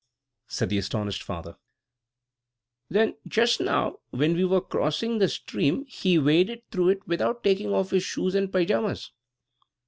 said the astonished farmer. "Then, just now, when we were crossing the stream, he waded through it without taking off his shoes and paijamas."